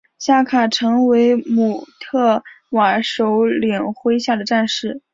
夏卡成为姆特瓦首领麾下的战士。